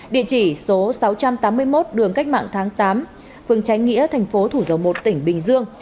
địa chỉ số sáu trăm tám mươi một đường cách mạng tháng tám phương tránh nghĩa tp thủ dầu một tỉnh bình dương